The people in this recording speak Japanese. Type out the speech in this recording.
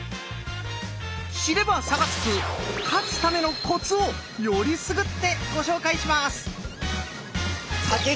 知れば差がつく「勝つためのコツ」をよりすぐってご紹介します！